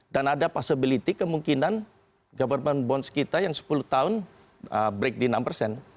dan ada possibility kemungkinan government bonds kita yang sepuluh tahun break di enam persen